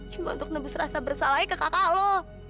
cuma untuk nebus rasa bersalahnya ke kakak loh